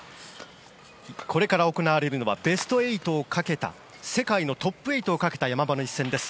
これから行われるのはベスト８をかけた世界のトップ８をかけた山場の一戦です。